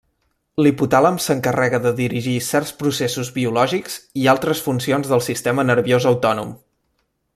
L'hipotàlem s'encarrega de dirigir certs processos biològics i altres funcions del sistema nerviós autònom.